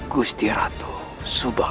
gusti ratu subawang